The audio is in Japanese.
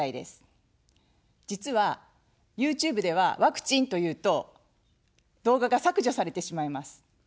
実はＹｏｕＴｕｂｅではワクチンというと動画が削除されてしまいます。